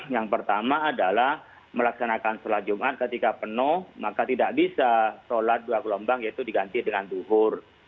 yang pertama adalah melaksanakan sholat jumat ketika penuh maka tidak bisa sholat dua gelombang yaitu diganti dengan duhur